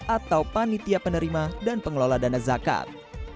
atau panitia penerima dan pengelola dana zakat